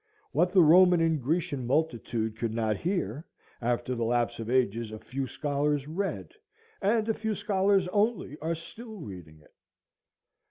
What the Roman and Grecian multitude could not hear, after the lapse of ages a few scholars read, and a few scholars only are still reading it.